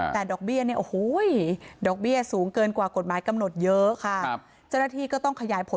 แต่ดอกเบี้ยนี่โอ้โฮ